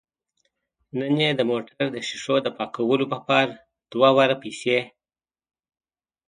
نن یې د موټر د ښیښو د پاکولو په پار دوه واره پیسې